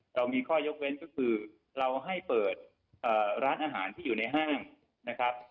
เรามีข้อยกเว้นก็คือเราให้เปิดร้านอาหารที่อยู่ในห้างนะครับ